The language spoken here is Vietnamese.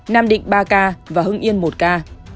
nam định ba ca và hưng yên một ca